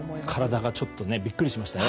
体がちょっとビックリしました。